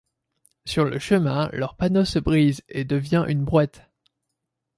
Sur le chemin, leur panneau se brise et devient une brouette.